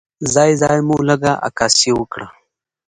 ځای ځای مو لږه عکاسي وکړه.